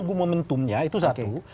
untungnya itu satu